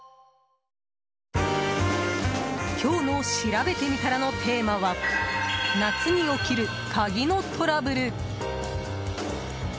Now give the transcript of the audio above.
今日のしらべてみたらのテーマは夏に起きる、鍵のトラブル！